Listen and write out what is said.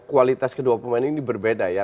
kualitas kedua pemain ini berbeda ya